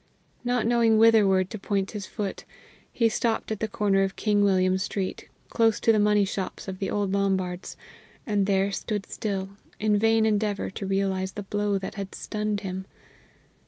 Not knowing whitherward to point his foot, he stopped at the corner of King William Street, close to the money shops of the old Lombards, and there stood still, in vain endeavor to realize the blow that had stunned him.